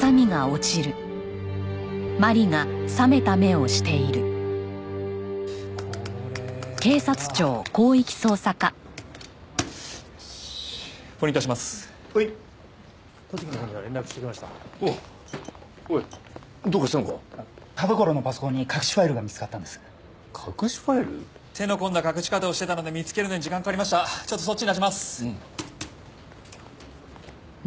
ちょっとそっちに出します。